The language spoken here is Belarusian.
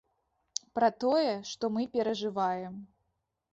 Пра тое, што мы перажываем.